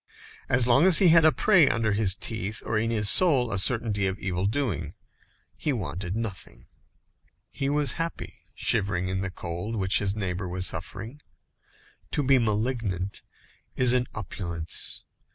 As long as he had a prey under his teeth, or in his soul, a certainty of evil doing, he wanted nothing. He was happy, shivering in the cold which his neighbour was suffering. To be malignant is an opulence.